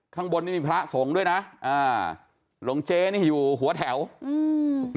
ข้างบนนี่มีพระสงฆ์ด้วยนะอ่าหลวงเจ๊นี่อยู่หัวแถวอืม